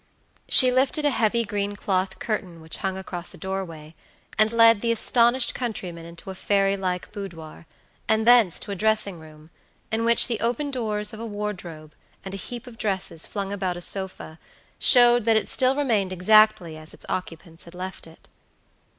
She lifted a heavy green cloth curtain which hung across a doorway, and led the astonished countryman into a fairy like boudoir, and thence to a dressing room, in which the open doors of a wardrobe and a heap of dresses flung about a sofa showed that it still remained exactly as its occupants had left it.